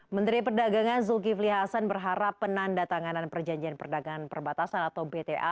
menteri perdagangan zulkifli hasan berharap penanda tanganan perjanjian perdagangan perbatasan atau bta